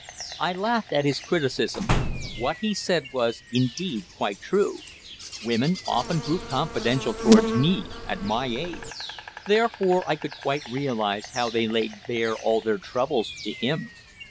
I laughed at his criticism. What he said was, indeed, quite true. Women often grew confidential towards me, at my age; therefore I could quite realize how they laid bare all their troubles to him.